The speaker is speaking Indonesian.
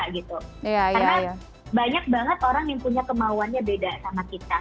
karena banyak banget orang yang punya kemauannya beda sama kita